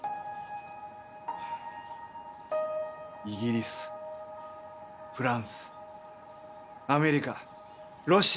イギリスフランスアメリカロシア。